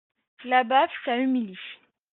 La baffe, ça humilie.